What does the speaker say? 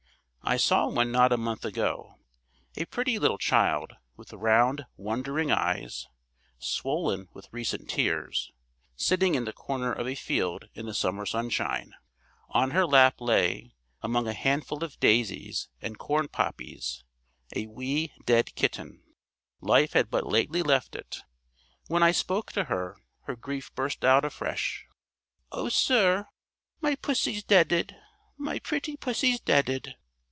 I saw one not a month ago. A pretty little child, with round, wondering eyes, swollen with recent tears, sitting in the corner of a field in the summer sunshine. On her lap lay among a handful of daisies and corn poppies a wee dead kitten: life had but lately left it. When I spoke to her, her grief burst out afresh. "O sir, my pussy's deadëd, my pretty pussy's deadëd!"